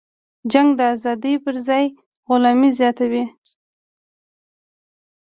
جنگ د ازادۍ پرځای غلامي زیاتوي.